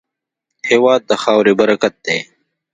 هېواد د خاورې برکت دی.